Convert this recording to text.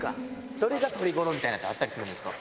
どれが取りごろみたいなのあったりするんですか？